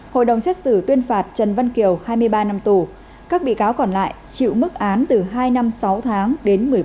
hội đồng xét xử tuyên phạt trần văn kiều hai mươi ba năm tù các bị cáo còn lại chịu mức án từ hai năm sáu tháng đến một mươi bốn